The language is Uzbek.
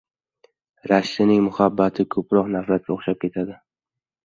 Rashkchining muhabbati ko‘proq nafratga o‘xshab ketadi.